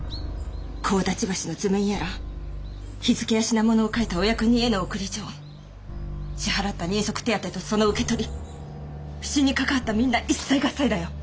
神立橋の図面やら日付や品物を書いたお役人への送り状支払った人足手当とその受け取り普請に関わったみんな一切合財だよ。